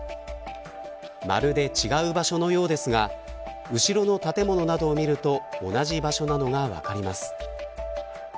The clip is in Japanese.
まるで違う場所のようですが後ろの建物などを見ると同じ場所なのが分かります。